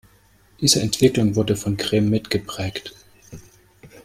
Diese Entwicklung wurde von Cream mitgeprägt.